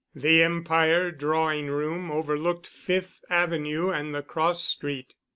The Empire drawing room overlooked Fifth Avenue and the cross street.